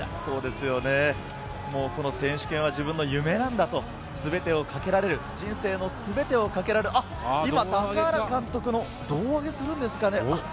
この選手権は自分の夢なんだと、全てをかけられる、人生のすべてを今、高原監督の胴上げをするんですかね。